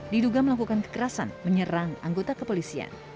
diduga melakukan kekerasan menyerang anggota kepolisian